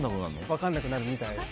分からなくなるみたい。